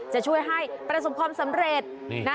จะช่วยให้ประสบความสำเร็จนะ